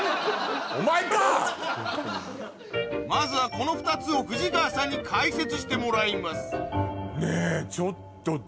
まずはこの２つを冨士川さんに解説してもらいますねぇちょっと。